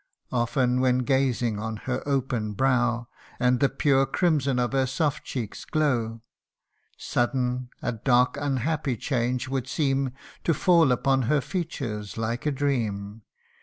Often when gazing on her open brow, And the pure crimson of her soft cheek's glow Sudden, a dark unhappy change would seem To fall upon her features like a dream.